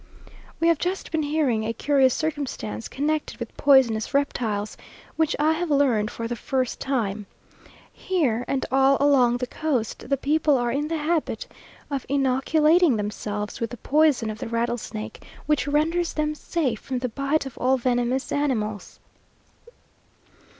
We have just been hearing a curious circumstance connected with poisonous reptiles, which I have learned for the first time. Here, and all along the coast, the people are in the habit of inoculating themselves with the poison of the rattlesnake, which renders them safe from the bite of all venomous animals.